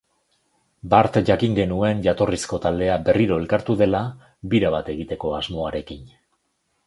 Bart jakin genuen jatorrizko taldea berriro elkartu dela, bira bat egiteko asmoarekin.